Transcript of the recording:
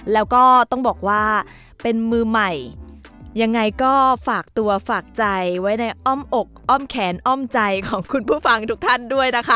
แล้วก็ต้องบอกว่าเป็นมือใหม่ยังไงก็ฝากตัวฝากใจไว้ในอ้อมอกอ้อมแขนอ้อมใจของคุณผู้ฟังทุกท่านด้วยนะคะ